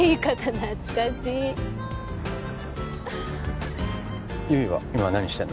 懐かしい悠依は今何してんの？